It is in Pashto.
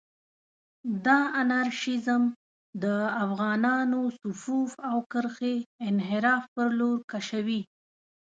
دا انارشېزم د افغانانانو صفوف او کرښې انحراف پر لور کشوي.